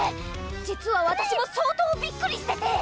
⁉実はわたしも相当びっくりしてて！